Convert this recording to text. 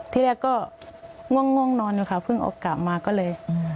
ที่แรกก็นอนแน่นอนเพิ่งออกกลับมาก็เลย